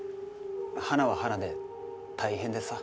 華は華で大変でさ。